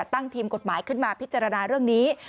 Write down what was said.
ตั้งทีมกฎหมายขึ้นมาพิจารณาเรื่องนี้